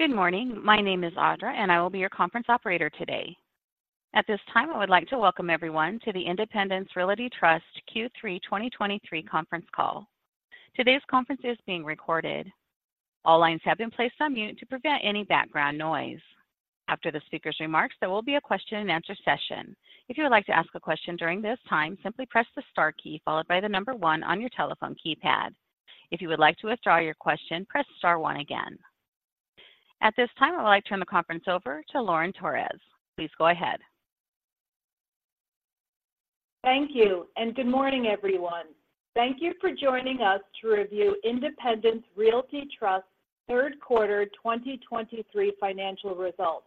Good morning. My name is Audra, and I will be your conference operator today. At this time, I would like to welcome everyone to the Independence Realty Trust Q3 2023 conference call. Today's conference is being recorded. All lines have been placed on mute to prevent any background noise. After the speaker's remarks, there will be a question-and-answer session. If you would like to ask a question during this time, simply press the star key followed by the number one on your telephone keypad. If you would like to withdraw your question, press star one again. At this time, I would like to turn the conference over to Lauren Torres. Please go ahead. Thank you, and good morning, everyone. Thank you for joining us to review Independence Realty Trust's third quarter 2023 financial results.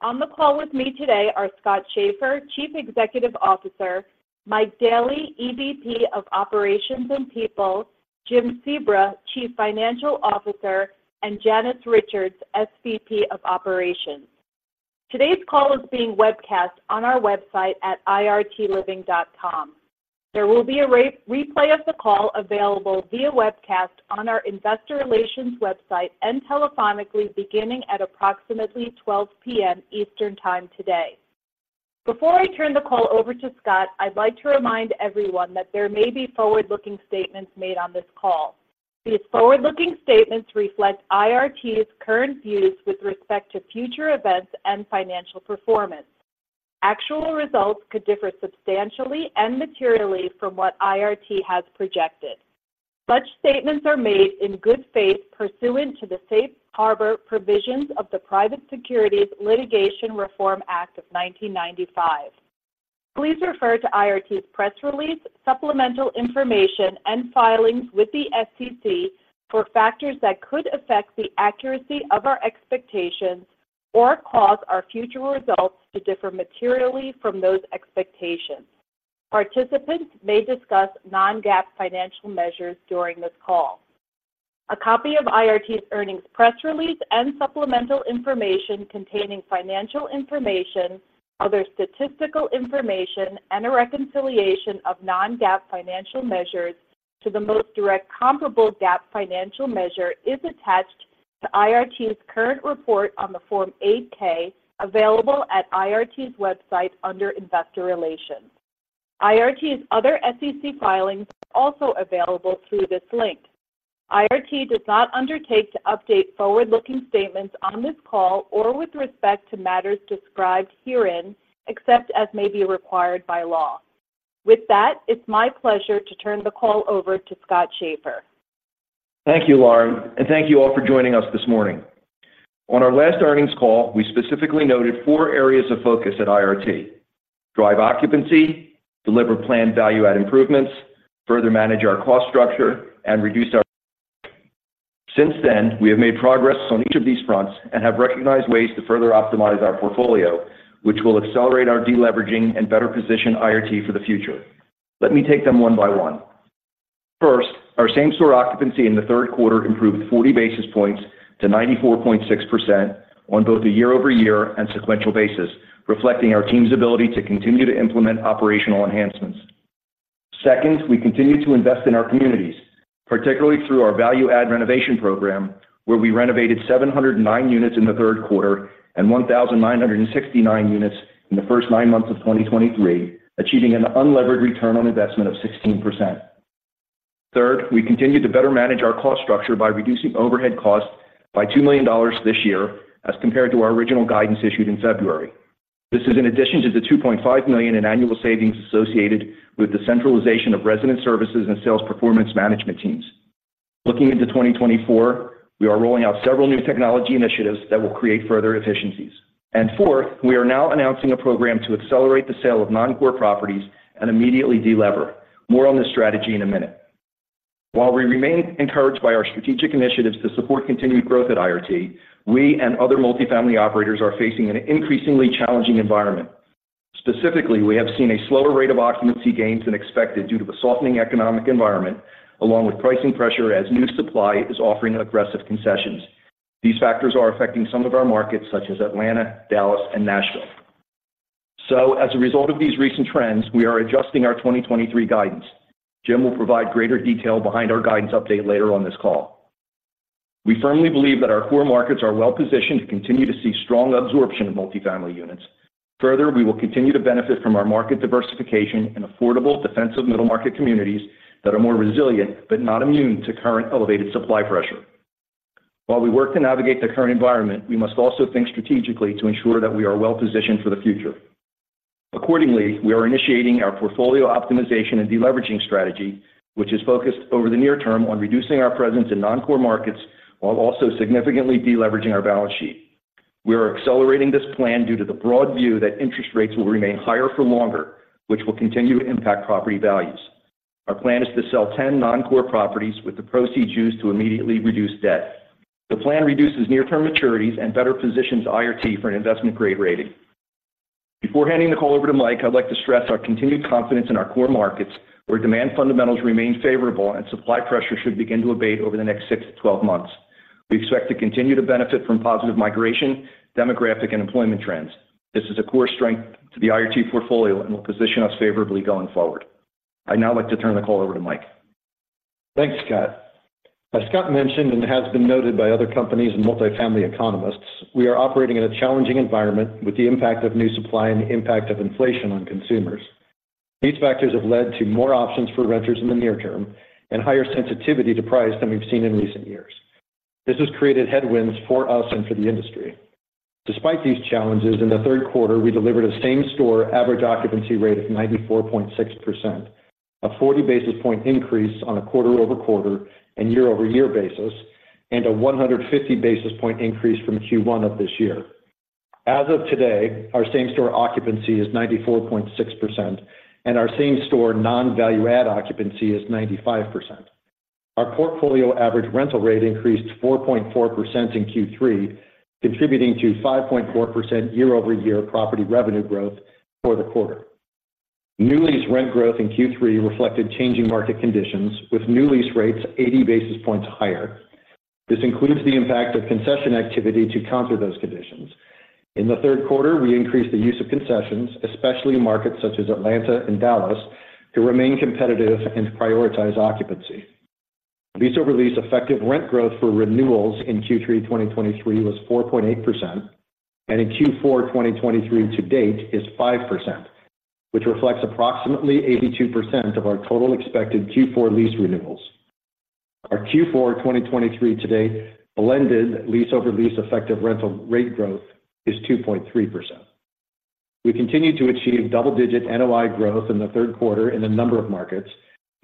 On the call with me today are Scott Schaeffer, Chief Executive Officer, Mike Daley, EVP of Operations and People, Jim Sebra, Chief Financial Officer, and Janice Richards, SVP of Operations. Today's call is being webcast on our website at irtliving.com. There will be a replay of the call available via webcast on our investor relations website and telephonically beginning at approximately 12:00 P.M. Eastern Time today. Before I turn the call over to Scott, I'd like to remind everyone that there may be forward-looking statements made on this call. These forward-looking statements reflect IRT's current views with respect to future events and financial performance. Actual results could differ substantially and materially from what IRT has projected. Such statements are made in good faith pursuant to the Safe Harbor Provisions of the Private Securities Litigation Reform Act of 1995. Please refer to IRT's press release, supplemental information, and filings with the SEC for factors that could affect the accuracy of our expectations or cause our future results to differ materially from those expectations. Participants may discuss non-GAAP financial measures during this call. A copy of IRT's earnings press release and supplemental information containing financial information, other statistical information, and a reconciliation of non-GAAP financial measures to the most direct comparable GAAP financial measure is attached to IRT's current report on the Form 8-K, available at IRT's website under Investor Relations. IRT's other SEC filings are also available through this link. IRT does not undertake to update forward-looking statements on this call or with respect to matters described herein, except as may be required by law. With that, it's my pleasure to turn the call over to Scott Schaeffer. Thank you, Lauren, and thank you all for joining us this morning. On our last earnings call, we specifically noted four areas of focus at IRT: drive occupancy, deliver planned value add improvements, further manage our cost structure, and reduce our... Since then, we have made progress on each of these fronts and have recognized ways to further optimize our portfolio, which will accelerate our deleveraging and better position IRT for the future. Let me take them one by one. First, our same-store occupancy in the third quarter improved 40 basis points to 94.6% on both a year-over-year and sequential basis, reflecting our team's ability to continue to implement operational enhancements. Second, we continue to invest in our communities, particularly through our value-add renovation program, where we renovated 709 units in the third quarter and 1,969 units in the first nine months of 2023, achieving an unlevered return on investment of 16%. Third, we continued to better manage our cost structure by reducing overhead costs by $2 million this year as compared to our original guidance issued in February. This is in addition to the $2.5 million in annual savings associated with the centralization of resident services and sales performance management teams. Looking into 2024, we are rolling out several new technology initiatives that will create further efficiencies. And fourth, we are now announcing a program to accelerate the sale of non-core properties and immediately delever. More on this strategy in a minute. While we remain encouraged by our strategic initiatives to support continued growth at IRT, we and other multifamily operators are facing an increasingly challenging environment. Specifically, we have seen a slower rate of occupancy gains than expected due to the softening economic environment, along with pricing pressure as new supply is offering aggressive concessions. These factors are affecting some of our markets, such as Atlanta, Dallas, and Nashville. So as a result of these recent trends, we are adjusting our 2023 guidance. Jim will provide greater detail behind our guidance update later on this call. We firmly believe that our core markets are well-positioned to continue to see strong absorption of multifamily units. Further, we will continue to benefit from our market diversification in affordable, defensive middle-market communities that are more resilient, but not immune to current elevated supply pressure. While we work to navigate the current environment, we must also think strategically to ensure that we are well-positioned for the future. Accordingly, we are initiating our portfolio optimization and deleveraging strategy, which is focused over the near-term on reducing our presence in non-core markets while also significantly deleveraging our balance sheet. We are accelerating this plan due to the broad view that interest rates will remain higher for longer, which will continue to impact property values. Our plan is to sell 10 non-core properties with the proceeds used to immediately reduce debt. The plan reduces near-term maturities and better positions IRT for an investment-grade rating. Before handing the call over to Mike, I'd like to stress our continued confidence in our core markets, where demand fundamentals remain favorable and supply pressure should begin to abate over the next six to 12 months. We expect to continue to benefit from positive migration, demographic, and employment trends. This is a core strength to the IRT portfolio and will position us favorably going forward. I'd now like to turn the call over to Mike. Thanks, Scott. As Scott mentioned, and has been noted by other companies and multifamily economists, we are operating in a challenging environment with the impact of new supply and the impact of inflation on consumers. These factors have led to more options for renters in the near-term and higher sensitivity to price than we've seen in recent years. This has created headwinds for us and for the industry. Despite these challenges, in the third quarter, we delivered a same-store average occupancy rate of 94.6%, a 40 basis point increase on a quarter-over-quarter and year-over-year basis, and a 150 basis point increase from Q1 of this year. As of today, our same-store occupancy is 94.6%, and our same-store non-value add occupancy is 95%. Our portfolio average rental rate increased 4.4% in Q3, contributing to 5.4% year-over-year property revenue growth for the quarter. New lease rent growth in Q3 reflected changing market conditions, with new lease rates 80 basis points higher. This includes the impact of concession activity to counter those conditions. In the third quarter, we increased the use of concessions, especially in markets such as Atlanta and Dallas, to remain competitive and prioritize occupancy. Lease-over-lease effective rent growth for renewals in Q3 2023 was 4.8%, and in Q4 2023 to date is 5%, which reflects approximately 82% of our total expected Q4 lease renewals. Our Q4 2023 to date blended lease-over-lease effective rental rate growth is 2.3%. We continued to achieve double-digit NOI growth in the third quarter in a number of markets,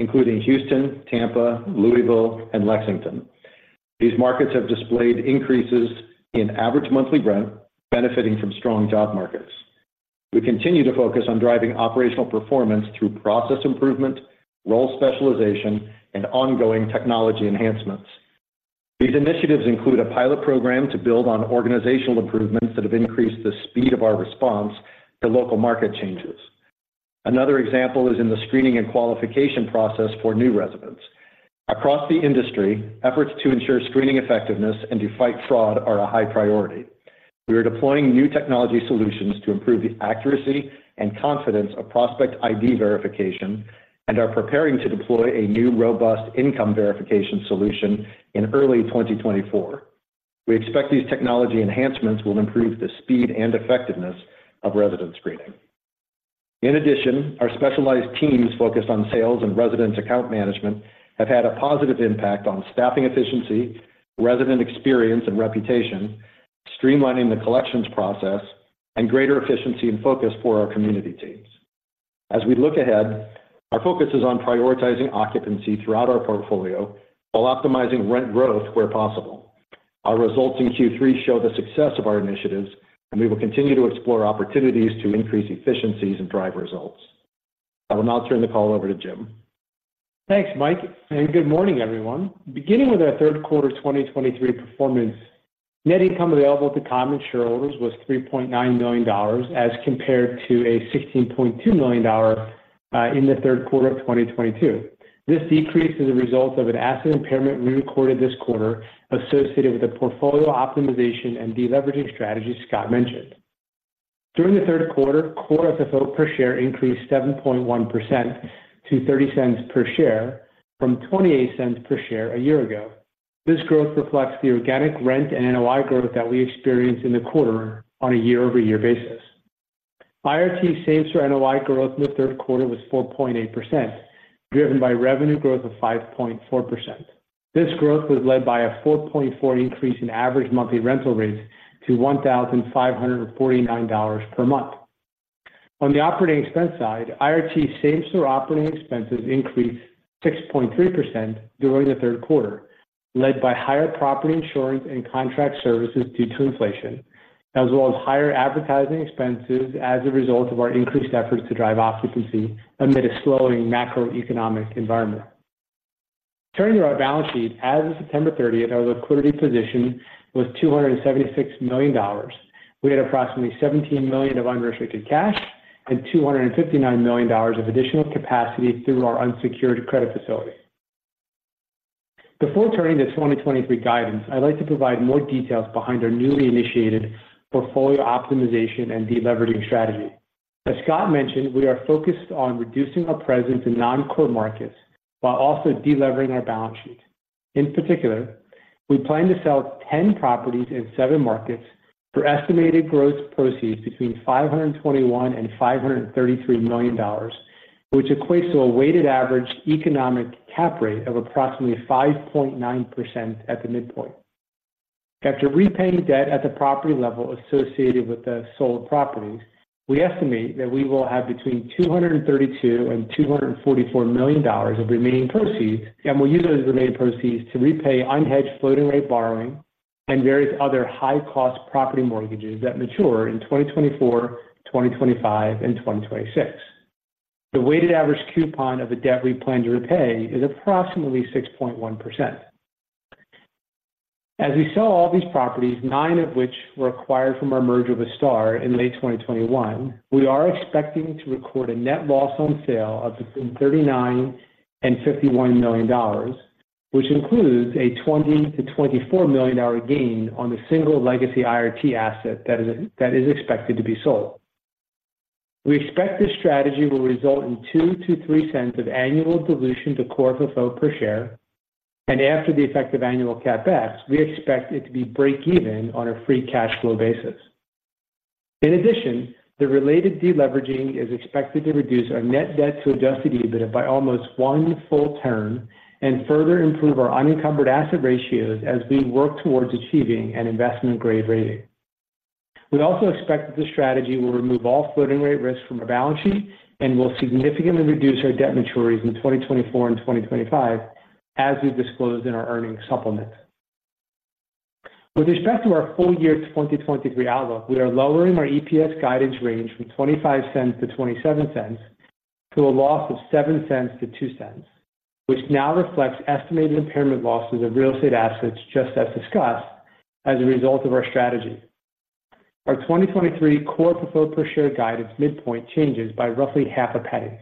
including Houston, Tampa, Louisville, and Lexington. These markets have displayed increases in average monthly rent, benefiting from strong job markets. We continue to focus on driving operational performance through process improvement, role specialization, and ongoing technology enhancements. These initiatives include a pilot program to build on organizational improvements that have increased the speed of our response to local market changes. Another example is in the screening and qualification process for new residents. Across the industry, efforts to ensure screening effectiveness and to fight fraud are a high priority. We are deploying new technology solutions to improve the accuracy and confidence of prospect ID verification and are preparing to deploy a new, robust income verification solution in early 2024. We expect these technology enhancements will improve the speed and effectiveness of resident screening. In addition, our specialized teams focused on sales and resident account management have had a positive impact on staffing efficiency, resident experience and reputation, streamlining the collections process, and greater efficiency and focus for our community teams. As we look ahead, our focus is on prioritizing occupancy throughout our portfolio while optimizing rent growth where possible. Our results in Q3 show the success of our initiatives, and we will continue to explore opportunities to increase efficiencies and drive results. I will now turn the call over to Jim. Thanks, Mike, and good morning, everyone. Beginning with our third quarter 2023 performance, net income available to common shareholders was $3.9 million, as compared to a $16.2 million dollar in the third quarter of 2022. This decrease is a result of an asset impairment we recorded this quarter associated with the portfolio optimization and deleveraging strategy Scott mentioned. During the third quarter, core FFO per share increased 7.1% to $0.30 per share from $0.28 per share a year ago. This growth reflects the organic rent and NOI growth that we experienced in the quarter on a year-over-year basis. IRT same-store NOI growth in the third quarter was 4.8%, driven by revenue growth of 5.4%. This growth was led by a 4.4 increase in average monthly rental rates to $1,549 per month. On the operating expense side, IRT same-store operating expenses increased 6.3% during the third quarter, led by higher property insurance and contract services due to inflation, as well as higher advertising expenses as a result of our increased efforts to drive occupancy amid a slowing macroeconomic environment. Turning to our balance sheet, as of September 30th, our liquidity position was $276 million. We had approximately $17 million of unrestricted cash and $259 million of additional capacity through our unsecured credit facility. Before turning to 2023 guidance, I'd like to provide more details behind our newly initiated portfolio optimization and deleveraging strategy. As Scott mentioned, we are focused on reducing our presence in non-core markets while also delevering our balance sheet. In particular, we plan to sell 10 properties in seven markets for estimated gross proceeds between $521 million and $533 million, which equates to a weighted average economic cap rate of approximately 5.9% at the midpoint. After repaying debt at the property level associated with the sold properties, we estimate that we will have between $232 million and $244 million of remaining proceeds, and we'll use those remaining proceeds to repay unhedged floating rate borrowing and various other high-cost property mortgages that mature in 2024, 2025, and 2026. The weighted average coupon of the debt we plan to repay is approximately 6.1%. As we sell all these properties, nine of which were acquired from our merger with STAR in late 2021, we are expecting to record a net loss on sale of between $39 million and $51 million, which includes a $20 million-$24 million gain on the single legacy IRT asset that is expected to be sold. We expect this strategy will result in $0.02-$0.03 of annual dilution to core FFO per share, and after the effect of annual CapEx, we expect it to be break even on a free cash flow basis. In addition, the related deleveraging is expected to reduce our net debt to adjusted EBITDA by almost one full turn and further improve our unencumbered asset ratios as we work towards achieving an investment-grade rating. We also expect that the strategy will remove all floating rate risk from our balance sheet and will significantly reduce our debt maturities in 2024 and 2025, as we disclosed in our earnings supplement. With respect to our full year 2023 outlook, we are lowering our EPS guidance range from $0.25 to $0.27, to -$0.07 to -$0.02, which now reflects estimated impairment losses of real estate assets, just as discussed, as a result of our strategy. Our 2023 core FFO per share guidance midpoint changes by roughly $0.005.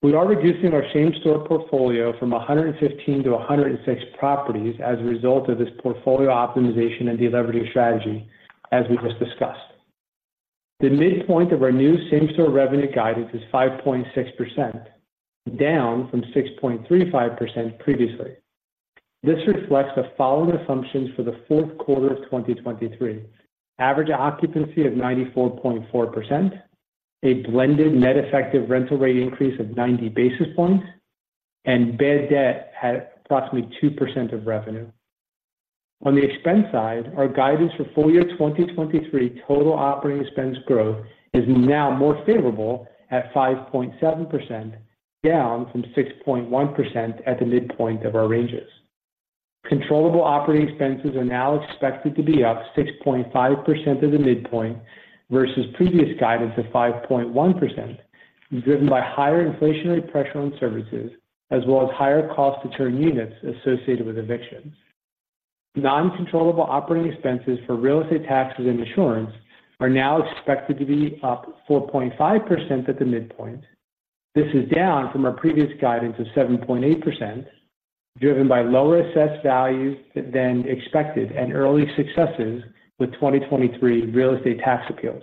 We are reducing our same-store portfolio from 115 to 106 properties as a result of this portfolio optimization and deleveraging strategy, as we just discussed. The midpoint of our new same-store revenue guidance is 5.6%, down from 6.35% previously. This reflects the following assumptions for the fourth quarter of 2023: average occupancy of 94.4%, a blended net effective rental rate increase of 90 basis points, and bad debt at approximately 2% of revenue. On the expense side, our guidance for full year 2023 total operating expense growth is now more favorable at 5.7%, down from 6.1% at the midpoint of our ranges. Controllable operating expenses are now expected to be up 6.5% at the midpoint versus previous guidance of 5.1%, driven by higher inflationary pressure on services, as well as higher cost to turn units associated with evictions. Non-controllable operating expenses for real estate taxes and insurance are now expected to be up 4.5% at the midpoint. This is down from our previous guidance of 7.8%, driven by lower assessed values than expected and early successes with 2023 real estate tax appeals.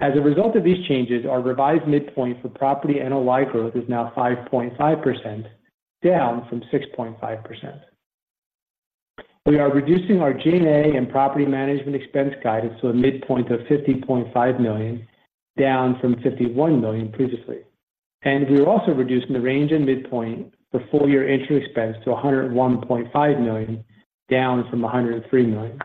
As a result of these changes, our revised midpoint for property NOI growth is now 5.5%, down from 6.5%. We are reducing our G&A and property management expense guidance to a midpoint of $50.5 million, down from $51 million previously. We are also reducing the range and midpoint for full-year interest expense to $101.5 million, down from $103 million.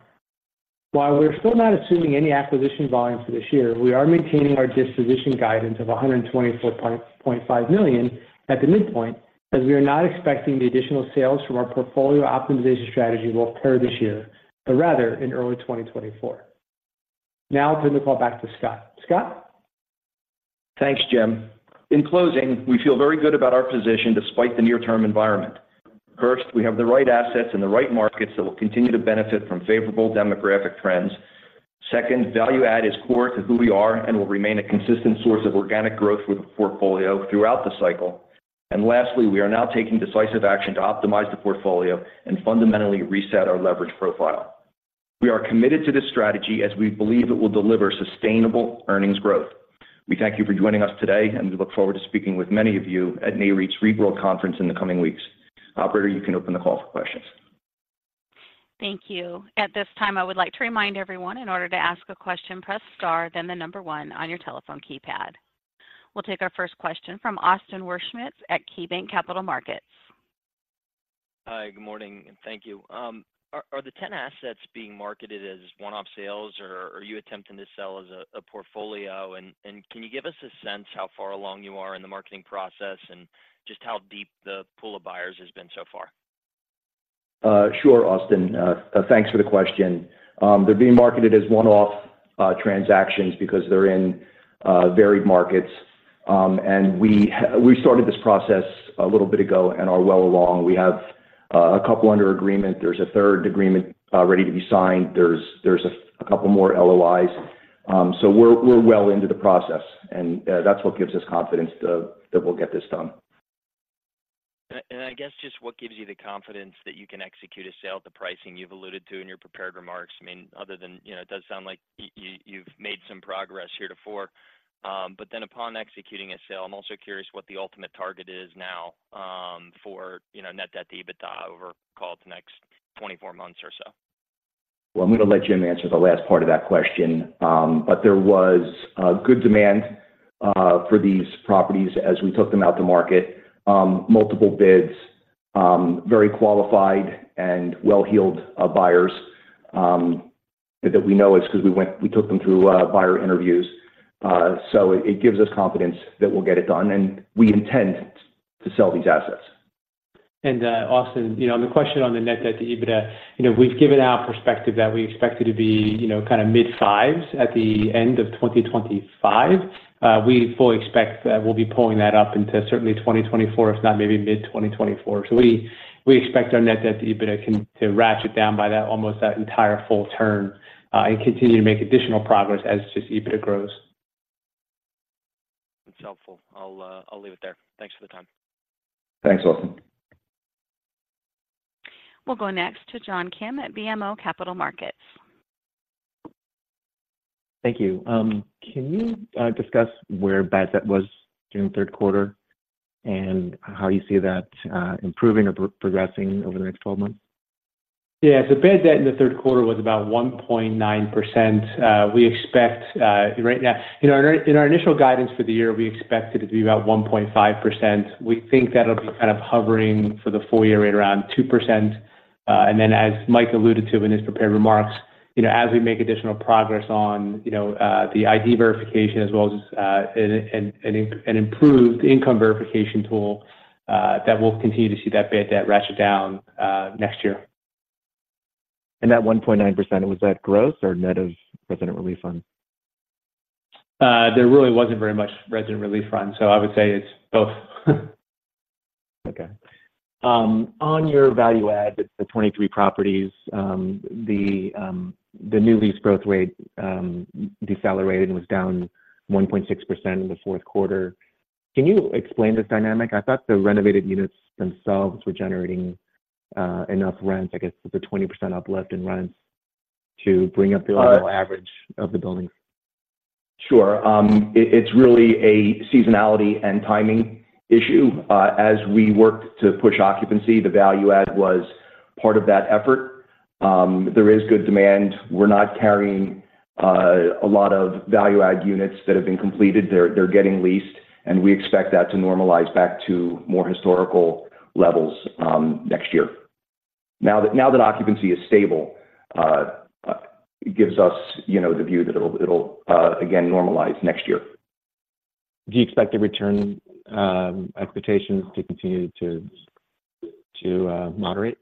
While we're still not assuming any acquisition volumes for this year, we are maintaining our disposition guidance of $124.5 million at the midpoint, as we are not expecting the additional sales from our portfolio optimization strategy will occur this year, but rather in early 2024. Now I'll turn the call back to Scott. Scott? Thanks, Jim. In closing, we feel very good about our position despite the near-term environment. First, we have the right assets in the right markets that will continue to benefit from favorable demographic trends. Second, value add is core to who we are and will remain a consistent source of organic growth for the portfolio throughout the cycle. And lastly, we are now taking decisive action to optimize the portfolio and fundamentally reset our leverage profile. We are committed to this strategy as we believe it will deliver sustainable earnings growth. We thank you for joining us today, and we look forward to speaking with many of you at Nareit’s REITworld Conference in the coming weeks. Operator, you can open the call for questions. Thank you. At this time, I would like to remind everyone, in order to ask a question, press star, then the number one on your telephone keypad. We'll take our first question from Austin Wurschmidt at KeyBanc Capital Markets. Hi, good morning, and thank you. Are the 10 assets being marketed as one-off sales, or are you attempting to sell as a portfolio? And can you give us a sense how far along you are in the marketing process and just how deep the pool of buyers has been so far? Sure, Austin. Thanks for the question. They're being marketed as one-off transactions because they're in varied markets. We started this process a little bit ago and are well along. We have a couple under agreement. There's a third agreement ready to be signed. There's a couple more LOIs. We're well into the process, and that's what gives us confidence that we'll get this done. And I guess just what gives you the confidence that you can execute a sale at the pricing you've alluded to in your prepared remarks? I mean, other than, you know, it does sound like you've made some progress here before. But then upon executing a sale, I'm also curious what the ultimate target is now, for, you know, net debt to EBITDA over, call it, the next 24 months or so. Well, I'm going to let Jim answer the last part of that question. But there was good demand for these properties as we took them out to market. Multiple bids, very qualified and well-heeled buyers, that we know is because we took them through buyer interviews. So it, it gives us confidence that we'll get it done, and we intend to sell these assets. Austin, you know, on the question on the net debt to EBITDA, you know, we've given our perspective that we expect it to be, you know, kind of mid-5s at the end of 2025. We fully expect that we'll be pulling that up into certainly 2024, if not maybe mid-2024. So we expect our net debt to EBITDA to ratchet down by that almost that entire full turn, and continue to make additional progress as just EBITDA grows. That's helpful. I'll, I'll leave it there. Thanks for the time. Thanks, Austin. We'll go next to John Kim at BMO Capital Markets. Thank you. Can you discuss where bad debt was during the third quarter, and how you see that improving or progressing over the next 12 months? Yeah, the bad debt in the third quarter was about 1.9%. We expect, right now—you know, in our initial guidance for the year, we expected it to be about 1.5%. We think that it'll be kind of hovering for the full year right around 2%. And then, as Mike alluded to in his prepared remarks, you know, as we make additional progress on, you know, the ID verification as well as an improved income verification tool, that we'll continue to see that bad debt ratchet down next year. That 1.9%, was that gross or net of resident relief fund? There really wasn't very much resident relief fund, so I would say it's both. Okay. On your value add, the 23 properties, the new lease growth rate decelerated and was down 1.6% in the fourth quarter. Can you explain this dynamic? I thought the renovated units themselves were generating enough rent, I guess, with tHe 20% uplift in rents, to bring up the overall-average of the buildings. Sure. It's really a seasonality and timing issue. As we worked to push occupancy, the value add was part of that effort. There is good demand. We're not carrying a lot of value add units that have been completed. They're getting leased, and we expect that to normalize back to more historical levels next year. Now that occupancy is stable, it gives us, you know, the view that it'll again normalize next year. Do you expect the return expectations to continue to moderate?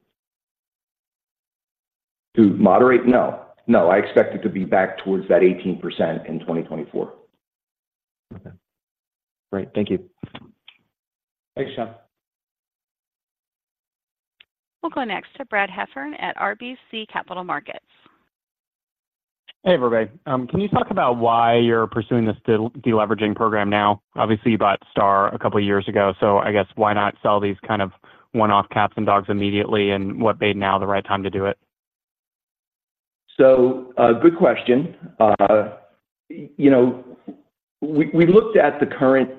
To moderate? No. No, I expect it to be back towards that 18% in 2024. Okay. Great. Thank you. Thanks, John. We'll go next to Brad Heffern at RBC Capital Markets. Hey, everybody. Can you talk about why you're pursuing this deleveraging program now? Obviously, you bought STAR a couple years ago, so I guess why not sell these kind of one-off cats and dogs immediately, and what made now the right time to do it? So, a good question. You know, we looked at the current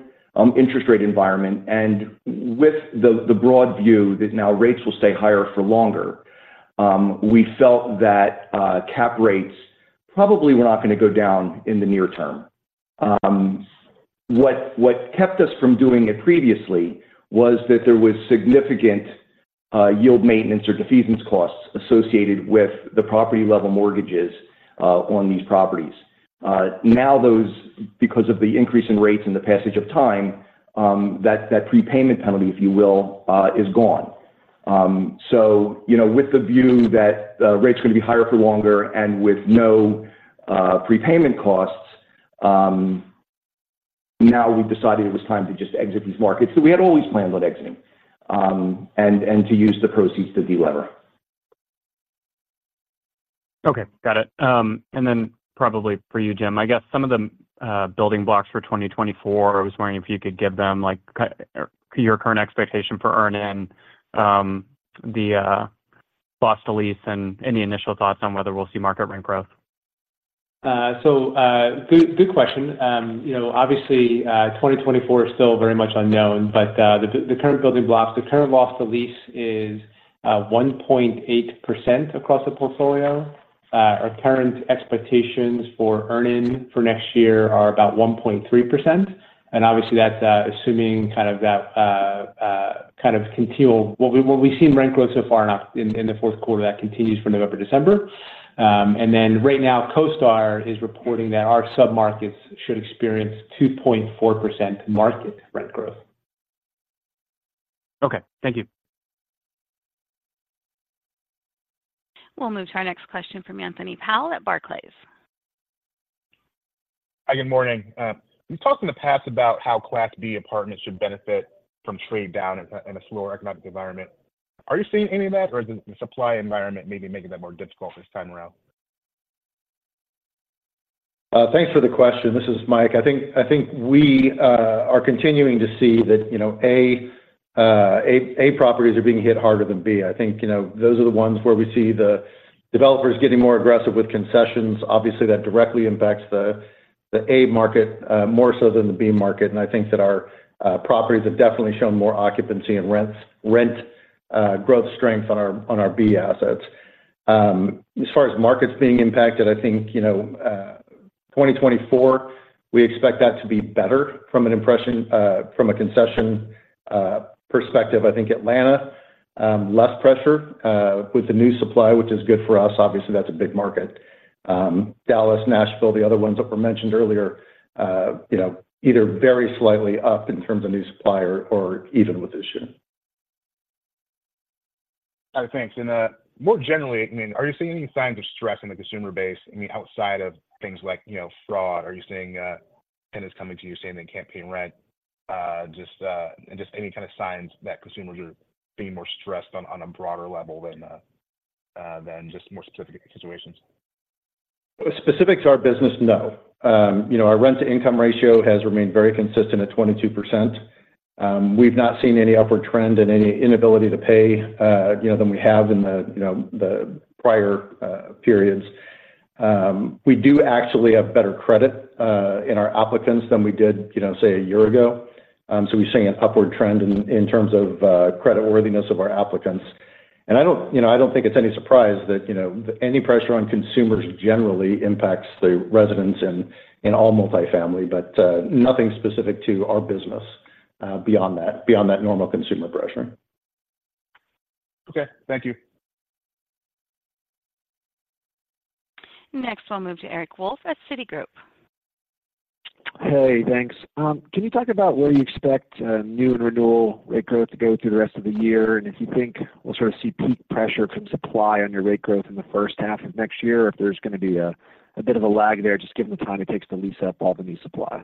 interest rate environment, and with the broad view that now rates will stay higher for longer, we felt that cap rates probably were not going to go down in the near-term. What kept us from doing it previously was that there was significant yield maintenance or defeasance costs associated with the property-level mortgages on these properties. Now those, because of the increase in rates and the passage of time, that prepayment penalty, if you will, is gone. So, you know, with the view that rates are going to be higher for longer and with no prepayment costs, now we've decided it was time to just exit these markets. So we had always planned on exiting, and to use the proceeds to delever. Okay, got it. And then probably for you, Jim, I guess some of the building blocks for 2024, I was wondering if you could give them, like, your current expectation for earnings, the loss to lease, and any initial thoughts on whether we'll see market rent growth. So, good question. You know, obviously, 2024 is still very much unknown, but the current building blocks, the current loss to lease is 1.8% across the portfolio. Our current expectations for earn-in for next year are about 1.3%, and obviously, that's assuming kind of that, kind of continual what we've seen rent growth so far in the fourth quarter, that continues for November, December. And then right now, CoStar is reporting that our submarkets should experience 2.4% market rent growth. Okay, thank you. We'll move to our next question from Anthony Powell at Barclays. Hi, good morning. You talked in the past about how Class B apartments should benefit from trade down in a slower economic environment. Are you seeing any of that, or is the supply environment maybe making that more difficult this time around? Thanks for the question. This is Mike. I think we are continuing to see that, you know, A properties are being hit harder than B. I think, you know, those are the ones where we see the developers getting more aggressive with concessions. Obviously, that directly impacts the A market more so than the B market, and I think that our properties have definitely shown more occupancy and rent growth strength on our B assets. As far as markets being impacted, I think, you know, 2024, we expect that to be better from an impression, from a concession perspective. I think Atlanta, less pressure with the new supply, which is good for us. Obviously, that's a big market. Dallas, Nashville, the other ones that were mentioned earlier, you know, either very slightly up in terms of new supply or even with this year. Thanks. And more generally, I mean, are you seeing any signs of stress in the consumer base? I mean, outside of things like, you know, fraud, are you seeing tenants coming to you saying they can't pay rent? Just any kind of signs that consumers are being more stressed on a broader level than just more specific situations? Specific to our business, no. You know, our rent-to-income ratio has remained very consistent at 22%. We've not seen any upward trend in any inability to pay, you know, than we have in the, you know, the prior periods. We do actually have better credit in our applicants than we did, you know, say, a year ago. So we're seeing an upward trend in, in terms of, creditworthiness of our applicants. And I don't, you know, I don't think it's any surprise that, you know, any pressure on consumers generally impacts the residents in, in all multifamily, but, nothing specific to our business, beyond that, beyond that normal consumer pressure. Okay. Thank you. Next, we'll move to Eric Wolfe at Citigroup. Hey, thanks. Can you talk about where you expect new and renewal rate growth to go through the rest of the year? And if you think we'll sort of see peak pressure from supply on your rate growth in the first half of next year, or if there's gonna be a bit of a lag there, just given the time it takes to lease up all the new supply?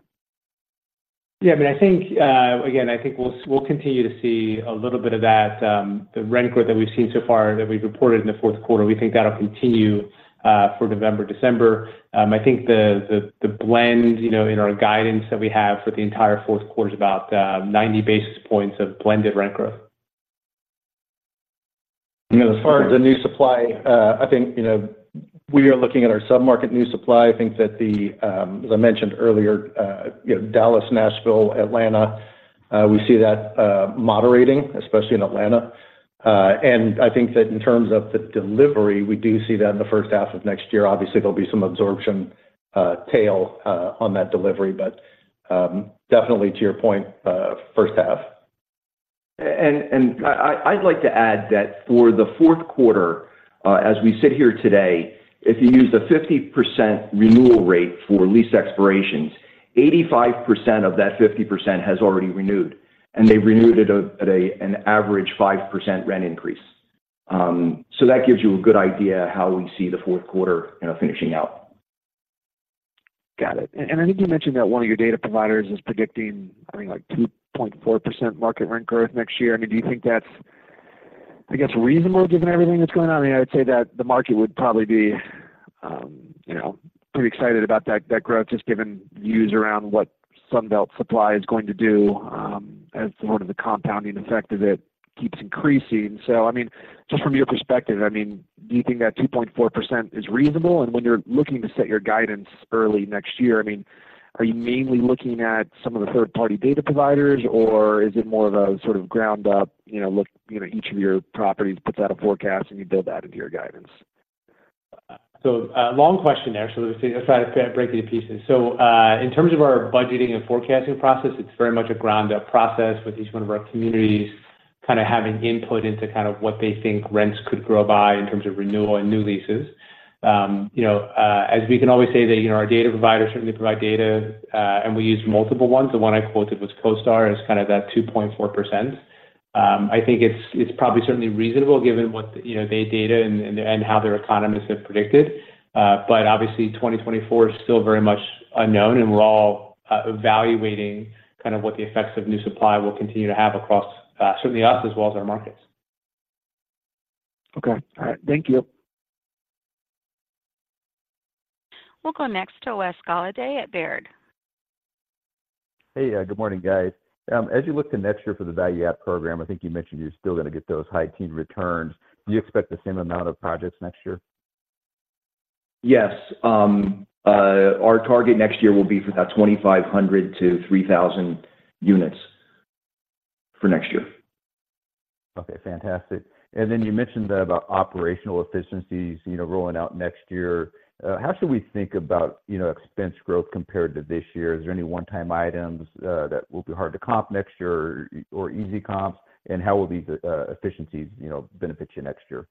Yeah, but I think, Again, I think we'll continue to see a little bit of that, the rent growth that we've seen so far, that we've reported in the fourth quarter, we think that'll continue, for November, December. I think the blend, you know, in our guidance that we have for the entire fourth quarter is about 90 basis points of blended rent growth. You know, as far as the new supply, I think, you know, we are looking at our submarket new supply. I think that the, as I mentioned earlier, you know, Dallas, Nashville, Atlanta, we see that moderating, especially in Atlanta. And I think that in terms of the delivery, we do see that in the first half of next year. Obviously, there'll be some absorption tail on that delivery, but definitely to your point, first half. I'd like to add that for the fourth quarter, as we sit here today, if you use the 50% renewal rate for lease expirations, 85% of that 50% has already renewed, and they've renewed it at an average 5% rent increase. So that gives you a good idea how we see the fourth quarter, you know, finishing out. Got it. And I think you mentioned that one of your data providers is predicting, I think, like, 2.4% market rent growth next year. I mean, do you think that's, I guess, reasonable, given everything that's going on? I mean, I would say that the market would probably be, you know, pretty excited about that growth, just given views around what Sunbelt Supply is going to do, as sort of the compounding effect of it keeps increasing. So, I mean, just from your perspective, I mean, do you think that 2.4% is reasonable? When you're looking to set your guidance early next year, I mean, are you mainly looking at some of the third-party data providers, or is it more of a sort of ground-up, you know, look, you know, each of your properties puts out a forecast, and you build that into your guidance? So a long question there, so let me see. I'll try to break it to pieces. So, in terms of our budgeting and forecasting process, it's very much a ground-up process with each one of our communities kind of having input into kind of what they think rents could grow by in terms of renewal and new leases. You know, as we can always say that, you know, our data providers certainly provide data, and we use multiple ones. The one I quoted was CoStar, and it's kind of that 2.4%. I think it's, it's probably certainly reasonable given what, you know, their data and how their economists have predicted. Obviously, 2024 is still very much unknown, and we're all evaluating kind of what the effects of new supply will continue to have across certainly us as well as our markets. Okay. All right. Thank you. We'll go next to Wes Golladay at Baird. Hey, good morning, guys. As you look to next year for the value add program, I think you mentioned you're still gonna get those high-teen returns. Do you expect the same amount of projects next year? Yes, our target next year will be for about 2,500-3,000 units for next year. Okay, fantastic. And then you mentioned that about operational efficiencies, you know, rolling out next year. How should we think about, you know, expense growth compared to this year? Is there any one-time items that will be hard to comp next year or, or easy comps? And how will these efficiencies, you know, benefit you next year?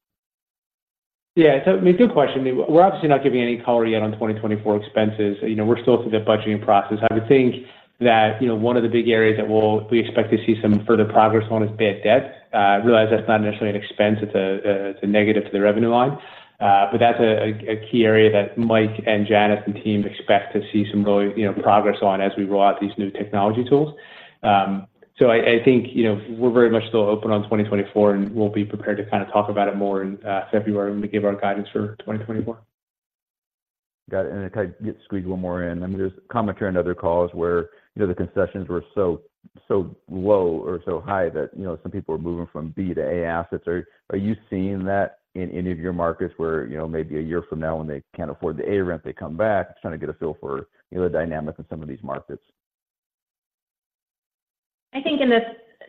Yeah, so, I mean, good question. We're obviously not giving any color yet on 2024 expenses. You know, we're still through the budgeting process. I would think that, you know, one of the big areas that we'll expect to see some further progress on is bad debt. I realize that's not necessarily an expense, it's a negative to the revenue line. But that's a key area that Mike and Janice, and team expect to see some really, you know, progress on as we roll out these new technology tools. So I think, you know, we're very much still open on 2024, and we'll be prepared to kind of talk about it more in February when we give our guidance for 2024. Got it. And if I can get squeeze one more in. I mean, there's commentary on other calls where, you know, the concessions were so, so low or so high that, you know, some people are moving from B to A assets. Are you seeing that in any of your markets where, you know, maybe a year from now, when they can't afford the A rent, they come back? Just trying to get a feel for, you know, the dynamic in some of these markets.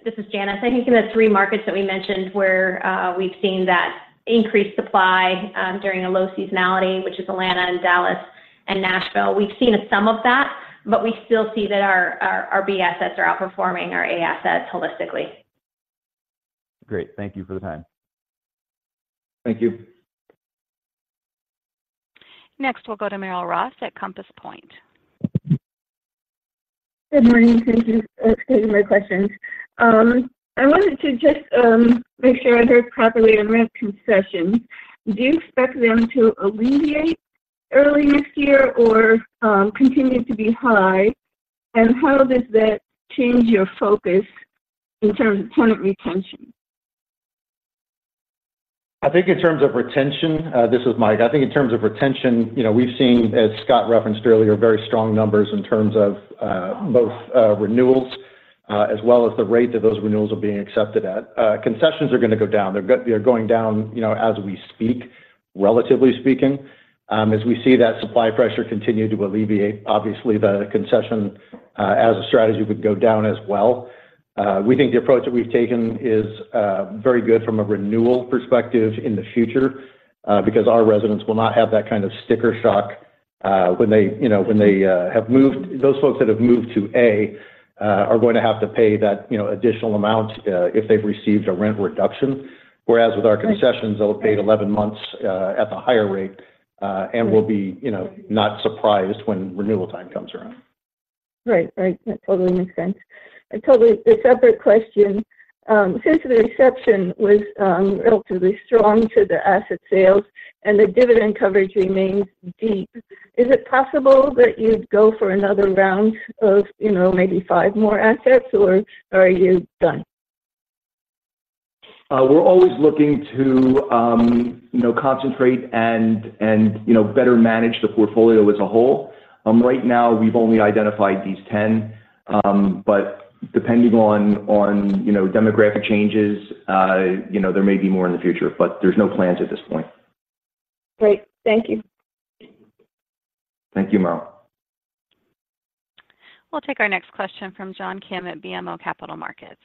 This is Janice. I think in the three markets that we mentioned, where we've seen that increased supply during a low seasonality, which is Atlanta and Dallas and Nashville, we've seen some of that, but we still see that our, our, our B assets are outperforming our A assets holistically. Great. Thank you for the time. Thank you. Next, we'll go to Merrill Ross at Compass Point. Good morning. Thank you for taking my questions. I wanted to just make sure I heard properly on rent concessions. Do you expect them to alleviate early next year or continue to be high? And how does that change your focus in terms of tenant retention? I think in terms of retention, this is Mike. I think in terms of retention, you know, we've seen, as Scott referenced earlier, very strong numbers in terms of both renewals as well as the rate that those renewals are being accepted at. Concessions are gonna go down. They're going down, you know, as we speak, relatively speaking. As we see that supply pressure continue to alleviate, obviously, the concession as a strategy would go down as well. We think the approach that we've taken is very good from a renewal perspective in the future because our residents will not have that kind of sticker shock when they, you know, when they have moved... Those folks that have moved to A, are going to have to pay that, you know, additional amount, if they've received a rent reduction. Whereas with our concessions, they'll have paid 11 months, at the higher rate, and will be, you know, not surprised when renewal time comes around. Right. Right. That totally makes sense. And totally, a separate question. Since the reception was relatively strong to the asset sales and the dividend coverage remains deep, is it possible that you'd go for another round of, you know, maybe five more assets, or are you done? We're always looking to, you know, concentrate and you know, better manage the portfolio as a whole. Right now, we've only identified these 10. But depending on you know, demographic changes, you know, there may be more in the future, but there's no plans at this point. Great. Thank you. Thank you, Merrill. We'll take our next question from John Kim at BMO Capital Markets.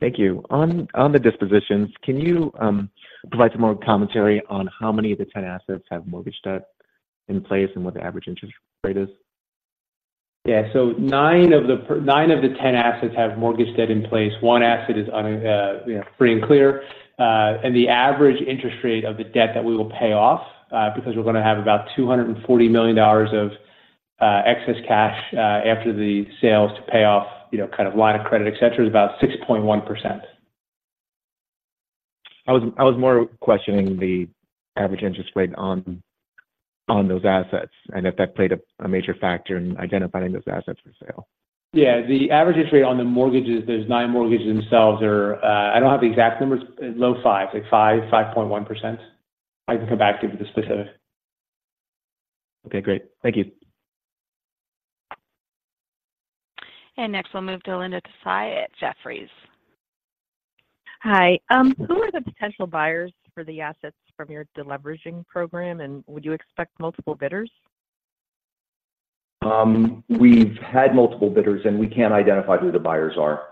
Thank you. On the dispositions, can you provide some more commentary on how many of the 10 assets have mortgage debt in place and what the average interest rate is? Yeah. So nine of the 10 assets have mortgage debt in place. One asset is, you know, free and clear. And the average interest rate of the debt that we will pay off, because we're gonna have about $240 million of excess cash after the sales to pay off, you know, kind of line of credit, et cetera, is about 6.1%. I was more questioning the average interest rate on those assets, and if that played a major factor in identifying those assets for sale. Yeah, the average interest rate on the mortgages, those nine mortgages themselves are, I don't have the exact numbers, low 5%, like 5%, 5.1%. I can come back to you with the specific. Okay, great. Thank you. Next, we'll move to Linda Tsai at Jefferies. Hi. Who are the potential buyers for the assets from your deleveraging program, and would you expect multiple bidders? We've had multiple bidders, and we can't identify who the buyers are.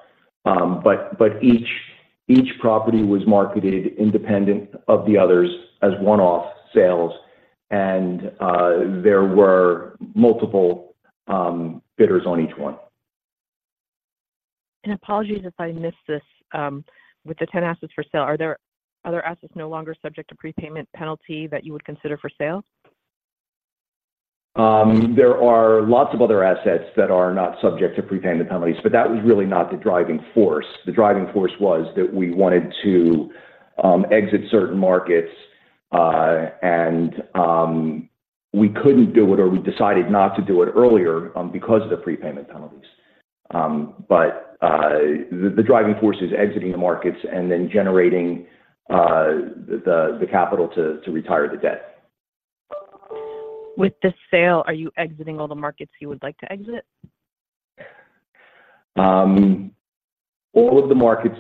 But each property was marketed independent of the others as one-off sales, and there were multiple bidders on each one. Apologies if I missed this. With the 10 assets for sale, are there other assets no longer subject to prepayment penalty that you would consider for sale? There are lots of other assets that are not subject to prepayment penalties, but that was really not the driving force. The driving force was that we wanted to exit certain markets, and we couldn't do it, or we decided not to do it earlier, because of the prepayment penalties. But the driving force is exiting the markets and then generating the capital to retire the debt. With this sale, are you exiting all the markets you would like to exit? All of the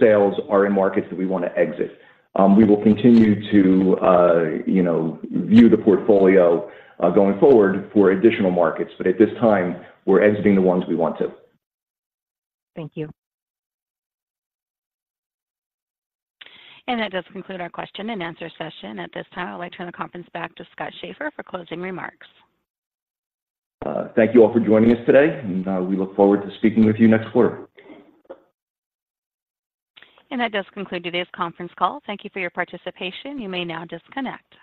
sales are in markets that we want to exit. We will continue to, you know, view the portfolio going forward for additional markets, but at this time, we're exiting the ones we want to. Thank you. That does conclude our question-and-answer session. At this time, I would like to turn the conference back to Scott Schaeffer for closing remarks. Thank you all for joining us today, and we look forward to speaking with you next quarter. That does conclude today's conference call. Thank you for your participation. You may now disconnect.